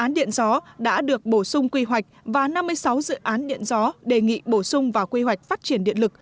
một dự án điện gió đã được bổ sung quy hoạch và năm mươi sáu dự án điện gió đề nghị bổ sung vào quy hoạch phát triển điện lực